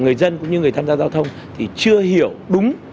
người dân cũng như người tham gia giao thông thì chưa hiểu đúng